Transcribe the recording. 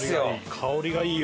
香りがいいよ。